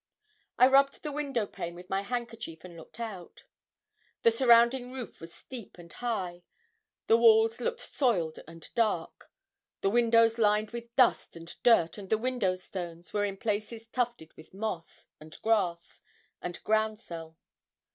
I rubbed the window pane with my handkerchief and looked out. The surrounding roof was steep and high. The walls looked soiled and dark. The windows lined with dust and dirt, and the window stones were in places tufted with moss, and grass, and groundsel.